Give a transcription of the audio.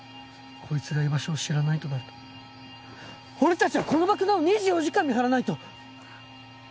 こいつが居場所を知らないとなると俺たちはこの爆弾を２４時間見張らないと！